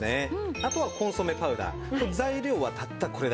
あとはコンソメパウダー材料はたったこれだけ。